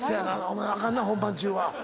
お前あかんな本番中は。